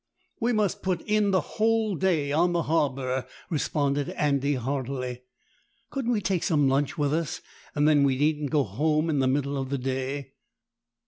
"We must put in the whole day on the harbour," responded Andy heartily. "Couldn't we take some lunch with us, and then we needn't go home in the middle of the day?"